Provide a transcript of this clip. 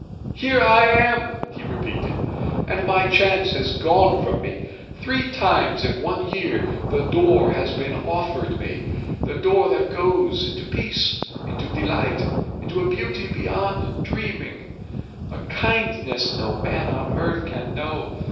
"Here I am!" he repeated, "and my chance has gone from me. Three times in one year the door has been offered me—the door that goes into peace, into delight, into a beauty beyond dreaming, a kindness no man on earth can know.